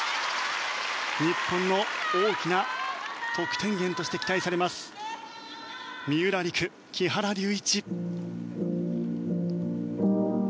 日本の大きな得点源として期待されます三浦璃来、木原龍一。